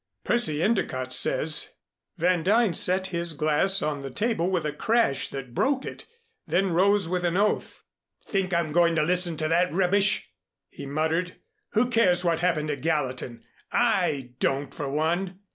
Percy Endicott says " Van Duyn set his glass on the table with a crash that broke it, then rose with an oath. "Think I'm going to listen to that rubbish?" he muttered. "Who cares what happened to Gallatin? I don't, for one.